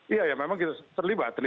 iya ya memang terlibat